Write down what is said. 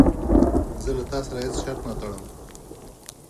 زه له تا سره هیڅ شرط نه ټړم.